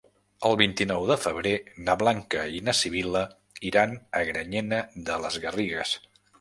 El vint-i-nou de febrer na Blanca i na Sibil·la iran a Granyena de les Garrigues.